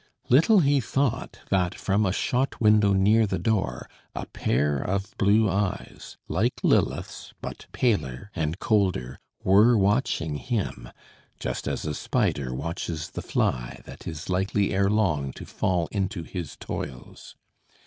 Little he thought that, from a shot window near the door, a pair of blue eyes, like Lilith's, but paler and colder, were watching him just as a spider watches the fly that is likely ere long to fall into his toils.